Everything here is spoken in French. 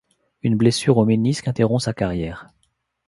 Une blessure au ménisque interrompt sa carrière.